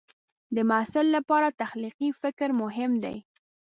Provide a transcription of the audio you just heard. د محصل لپاره تخلیقي فکر مهم دی.